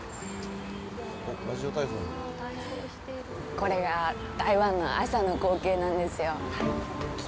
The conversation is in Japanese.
これが台湾の朝の光景なんですよ。